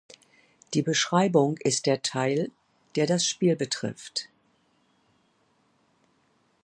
Die Beschreibung ist der Teil, der das Spiel betrifft.